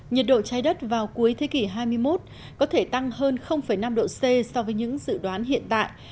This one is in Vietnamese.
nhiệt độ trái đất vào cuối thế kỷ hai mươi một có thể tăng hơn năm độ c so với những dự đoán hiện tại